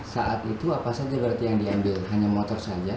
saat itu apa saja berarti yang diambil hanya motor saja